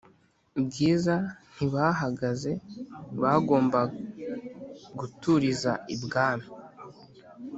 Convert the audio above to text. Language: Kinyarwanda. bwiza ntibahagaze bagomba guturiza ibwami.